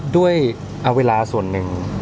ด้วยเอาเวลาส่วนหนึ่ง